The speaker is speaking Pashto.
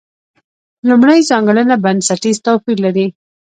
لومړۍ ځانګړنه بنسټیز توپیر لري.